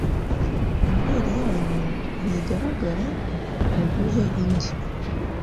Email yanyu ntigaragara muduhe indi